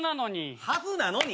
はずなのに。